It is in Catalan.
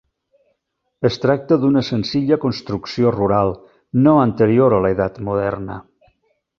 Es tracta d'una senzilla construcció rural, no anterior a l'edat moderna.